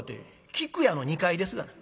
菊屋の２階ですがな」。